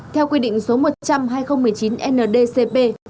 theo quy định số một trăm hai mươi chín ndcp